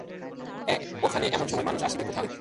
ওখানে এমন সময় মানুষ আসিবে কোথা হইতে।